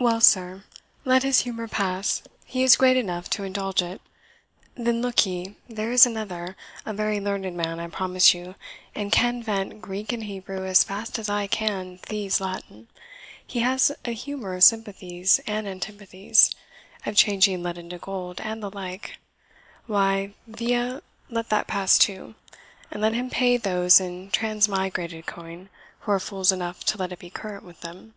Well, sir, let his humour pass; he is great enough to indulge it. Then, look ye, there is another a very learned man, I promise you, and can vent Greek and Hebrew as fast as I can Thieves' Latin he has an humour of sympathies and antipathies of changing lead into gold, and the like; why, via, let that pass too, and let him pay those in transmigrated coin who are fools enough to let it be current with them.